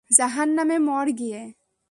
জাহান্নামে মর গিয়ে।